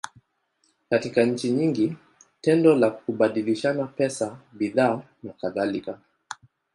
Katika nchi nyingi, tendo la kubadilishana pesa, bidhaa, nakadhalika.